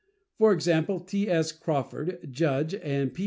For example, T.S. Crawford, judge, and P.